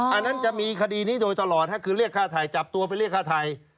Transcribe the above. อันนั้นจะมีคดีนี้โดยตลอดคือเรียกค่าไทยจับตัวไปเรียกค่าไทย